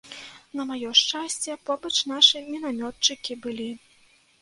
На маё шчасце, побач нашы мінамётчыкі былі.